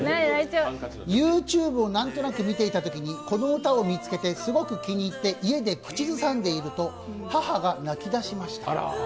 ＹｏｕＴｕｂｅを何となく見ていたときにこの歌を見つけてすごく気に入って家で口すさんでいると母が泣きだしました。